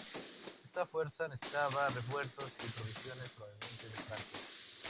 Esta fuerza necesitaba refuerzos y provisiones provenientes de Francia.